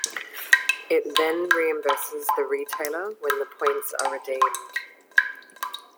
It then reimburses the retailer when the points are redeemed.